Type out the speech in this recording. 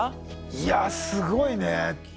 いやすごいね。